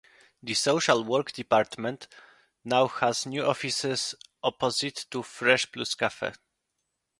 The Social Work department now has new offices opposite the Fresh Plus Cafe.